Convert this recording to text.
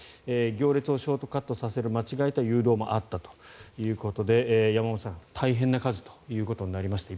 行列をショートカットさせる間違えた誘導もあったということで山本さん大変な数ということになりました